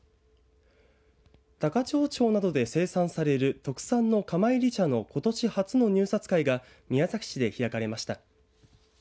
高千穂町地方などで生産される特産の釜炒り茶のことし初の入札会が宮崎市で開かれました。